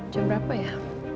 jam berapa ya